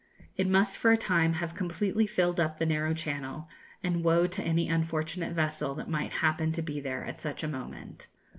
It must for a time have completely filled up the narrow channel; and woe to any unfortunate vessel that might happen to be there at such a moment!